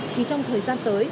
thì trong thời gian tới